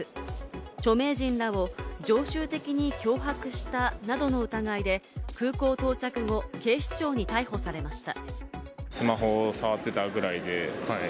著名人らを常習的に脅迫したなどの疑いで、空港到着後、警視庁に逮捕されました。